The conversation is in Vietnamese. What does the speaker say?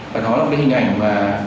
và nó là cái hình ảnh mà